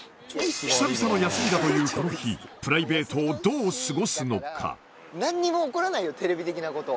久々の休みだというこの日プライベートをどう過ごすのか？